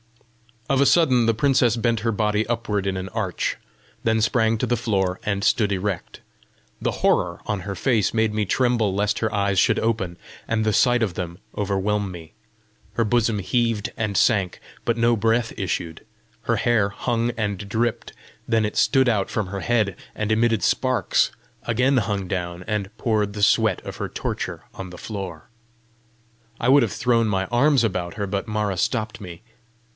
Of a sudden the princess bent her body upward in an arch, then sprang to the floor, and stood erect. The horror in her face made me tremble lest her eyes should open, and the sight of them overwhelm me. Her bosom heaved and sank, but no breath issued. Her hair hung and dripped; then it stood out from her head and emitted sparks; again hung down, and poured the sweat of her torture on the floor. I would have thrown my arms about her, but Mara stopped me.